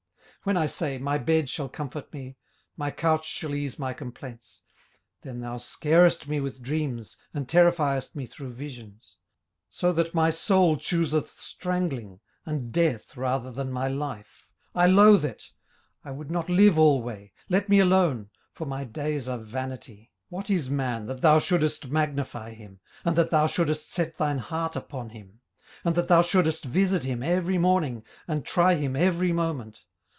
18:007:013 When I say, My bed shall comfort me, my couch shall ease my complaints; 18:007:014 Then thou scarest me with dreams, and terrifiest me through visions: 18:007:015 So that my soul chooseth strangling, and death rather than my life. 18:007:016 I loathe it; I would not live alway: let me alone; for my days are vanity. 18:007:017 What is man, that thou shouldest magnify him? and that thou shouldest set thine heart upon him? 18:007:018 And that thou shouldest visit him every morning, and try him every moment?